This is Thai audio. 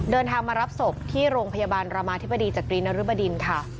เดินทางมารับศพที่โรงพยาบาลรามาธิบดีจักรีนรุบดินค่ะ